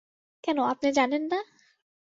কেন, আপনি জানেন না?